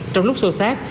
trong lúc xô xát